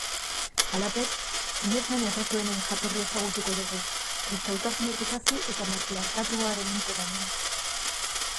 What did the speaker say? Halaber, sinesmen errotuenen jatorria ezagutuko dugu, kristautasunetik hasi eta matriarkatuaren mitoraino.